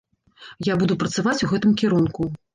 Я буду працаваць у гэтым кірунку.